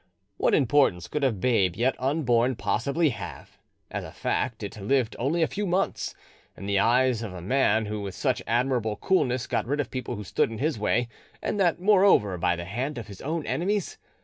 What importance could a babe yet unborn possibly have—as a fact, it lived only a few months—in the eyes of a man who with such admirable coolness got rid of people who stood in his wary, and that moreover by the hand of his own enemies?